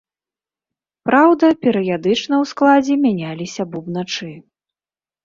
Праўда, перыядычна ў складзе мяняліся бубначы.